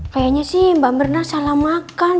kayaknya sih mbak mirna salah makan